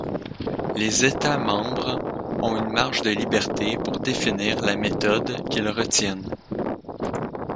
Les États membres ont une marge de liberté pour définir la méthode qu'ils retiennent.